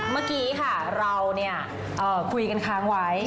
เมื่อกี้ค่ะเราคุยกันค้างไว้